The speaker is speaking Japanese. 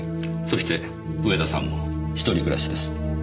そして上田さんも一人暮らしです。